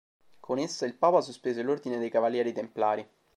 Con essa il papa sospese l'ordine dei Cavalieri templari.